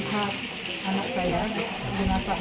kenapa bisa kejadian seperti ini terjadi